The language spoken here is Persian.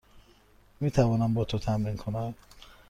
می توانم با تو تمرین کنم؟